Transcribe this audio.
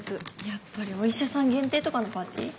やっぱりお医者さん限定とかのパーティー？